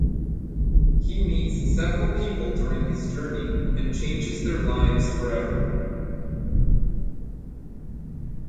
He meets several people during his journey and changes their lives forever.